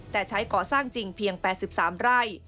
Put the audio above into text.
แต่ใช้ก่อสร้างจริงเพียง๘๓ไร่